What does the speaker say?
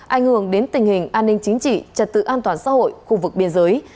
ảnh hưởng đến tình hình an ninh chính trị trật tự an toàn xã hội khu vực biên giới